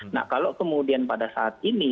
nah kalau kemudian pada saat ini